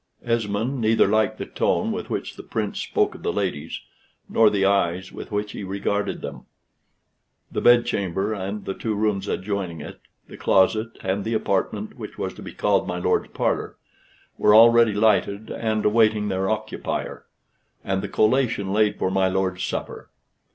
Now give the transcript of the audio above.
Esmond neither liked the tone with which the Prince spoke of the ladies, nor the eyes with which he regarded them. The bedchamber and the two rooms adjoining it, the closet and the apartment which was to be called my lord's parlor, were already lighted and awaiting their occupier; and the collation laid for my lord's supper.